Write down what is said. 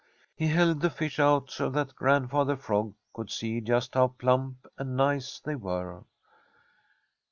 He held the fish out so that Grandfather Frog could see just how plump and nice they were.